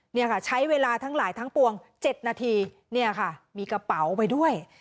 เนี่ยค่ะใช้เวลาทั้งหลายทั้งปวง๗นาทีเนี่ยค่ะมีกระเป๋าไปด้วย